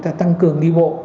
tăng cường đi bộ